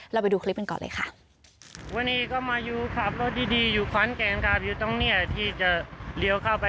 ไปดูคลิปกันก่อนเลยค่ะ